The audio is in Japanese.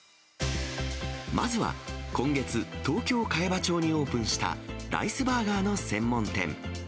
まずは今月、東京・茅場町にオープンした、ライスバーガーの専門店。